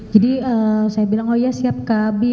jadi saya bilang oh ya siap kak bibi